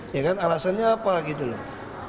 ya kan alasannya apa gitu loh